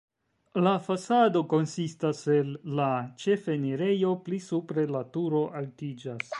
La fasado konsistas el la ĉefenirejo, pli supre la turo altiĝas.